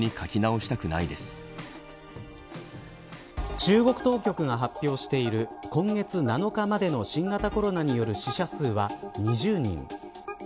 中国当局が発表している今月７日までの新型コロナによる死者数は２０人。